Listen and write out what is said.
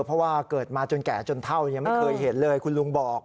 เพราะว่าเกิดมาจนแก่จนเท่าไม่เคยเห็นเลยคุณลุงบอก